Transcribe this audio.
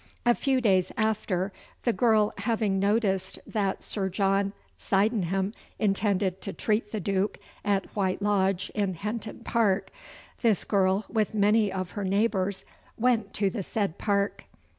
A few days after, the girl having noticed that Sir John Sydenham intended to treat the Duke at White Lodge in Henton Park, this girl with many of her neighbours went to the said park.